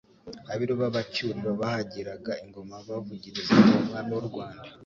abiru b'Abacyuriro bahagiraga ingoma bavugirizaga umwami w'u Rwanda